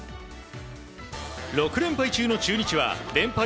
６連敗中の中日は連敗